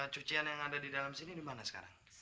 cucian yang ada di dalam sini dimana sekarang